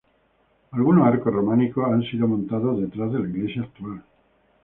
Algunos arcos románicos, han sido montados detrás de la iglesia actual.